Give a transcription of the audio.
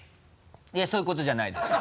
いやそういうことじゃないです。